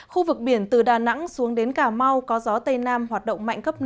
khu vực biển từ đà nẵng xuống đến cà mau có gió tây nam hoạt động mạnh cấp năm